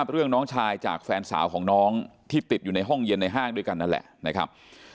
เรื่องน้องชายจากแฟนสาวของน้องที่ติดอยู่ในห้องเย็นในห้างด้วยกันนั่นแหละนะครับ